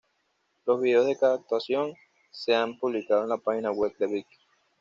Los videos de cada actuación se han publicado en la página web de Beck.